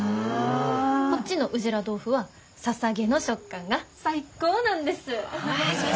こっちのウジラ豆腐はササゲの食感が最高なんです。